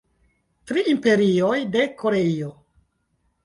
Tri imperioj de Koreio.